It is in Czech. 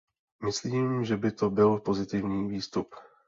Myslím, že by to byl pozitivní výstup.